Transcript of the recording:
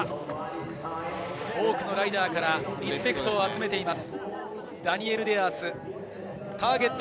多くのライダーからリスペクトを集めています。